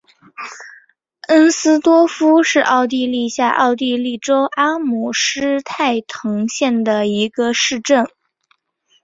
恩斯多夫是奥地利下奥地利州阿姆施泰滕县的一个市镇。